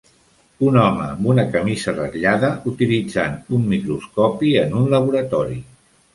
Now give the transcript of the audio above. Un home amb una camisa ratllada utilitzant un microscopi en un laboratori.